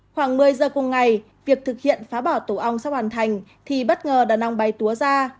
khoảng một mươi giờ cùng ngày việc thực hiện phá bỏ tổ ong sắp hoàn thành thì bất ngờ đàn ong bay túa ra